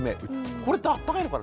これって暖かいのかな。